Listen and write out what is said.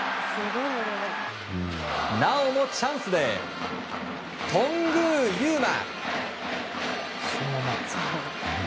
なおもチャンスで頓宮裕真。